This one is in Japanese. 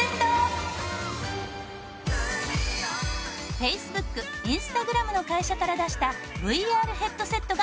ＦａｃｅｂｏｏｋＩｎｓｔａｇｒａｍの会社から出したＶＲヘッドセットが爆売れ！